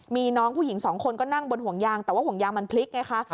มีน้องผู้หญิงสองคนก็นั่งบนห่วงยางแต่ว่าห่วงยางมันพลิกไงคะ